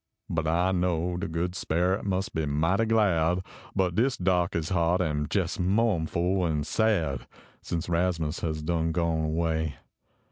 But I knowde Good Speret mus be mighty glnd But dis darkey s heart am jes mounful an sad Since Rasmus has done gone away.